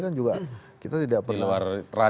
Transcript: kan juga kita tidak perlu